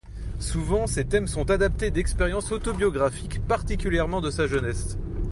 Souvent ces thèmes sont adaptés d'expériences autobiographiques, particulièrement de sa jeunesse.